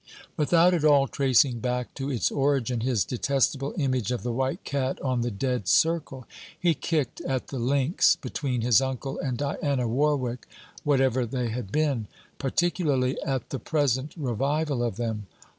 Without at all tracing back to its origin his detestable image of the white cat on the dead circle, he kicked at the links between his uncle and Diana Warwick, whatever they had been; particularly at the present revival of them.